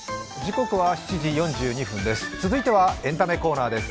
続いては、エンタメコーナーです。